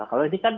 kalau ini kan